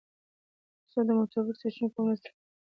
تر څو د معتبرو سرچینو په مرسته کره معلومات راټول او وړاندی کړم .